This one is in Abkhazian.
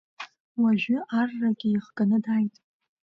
Уажәы аррагьы ихганы дааит.